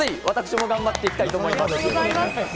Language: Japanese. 私も頑張っていきたいと思います。